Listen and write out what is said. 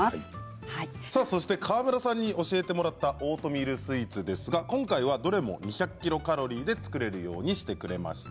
そして河村さんに教えてもらったオートミールスイーツですが今回はどれも２００ｋｃａｌで作れるようにしてくれました。